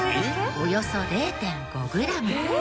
およそ０．５グラム。